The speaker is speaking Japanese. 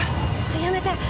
やめて！